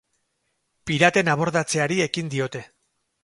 Piraten abordatzeari ekin diote.